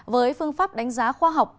với phương pháp đánh giá khoa học